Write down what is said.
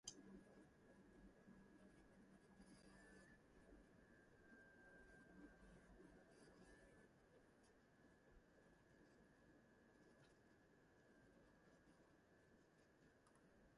The marriage ended after seven years.